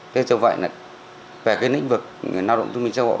thế cho vậy là về cái lĩnh vực lao động thông minh châu hộ